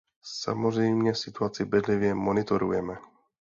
Samozřejmě situaci bedlivě monitorujeme.